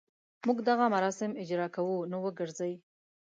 موږ دغه مراسم اجراء کوو نو وګرځي.